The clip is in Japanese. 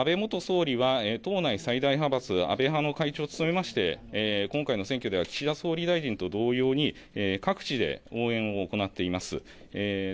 安倍元総理は党内最大派閥安倍派の会長を務めまして今回の選挙では岸田総理大臣と同様に各地で応援を行っています。